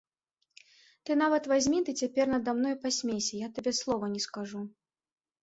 Ты нават вазьмі ды цяпер нада мною пасмейся, я табе слова не скажу.